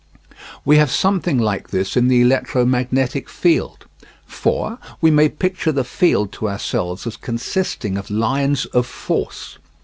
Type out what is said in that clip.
We have something like this in the electromagnetic field. For we may picture the field to ourselves as consisting of lines of force.